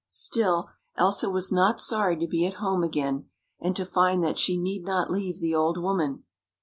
Still, Elsa was not sorry to be at home again, and to find that she need not leave the old woman.